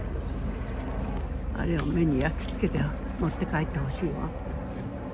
あれを目に焼き付けて、持って帰ってほしいわ。